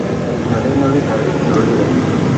نننۍ نړۍ د اړيکو نړۍ ده.